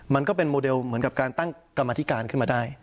มันก็เป็นโมเดลเหมือนกับการตั้งกรรมธิการขึ้นมาได้